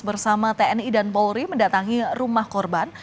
bersama tni dan polri mendatangi rumah korban